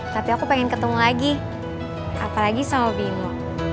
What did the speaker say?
tapi aku pengen ketemu lagi apalagi sama bimo